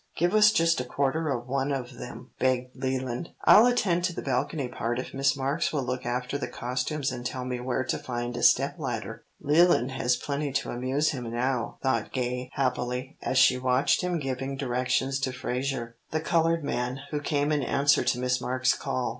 "Give us just a quarter of one of them," begged Leland. "I'll attend to the balcony part if Miss Marks will look after the costumes and tell me where to find a step ladder." "Leland has plenty to amuse him now," thought Gay happily, as she watched him giving directions to Frazer, the coloured man, who came in answer to Miss Marks's call.